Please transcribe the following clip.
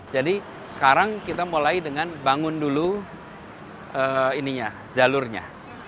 jadi sekarang kita mulai dengan bangun dulu jalurnya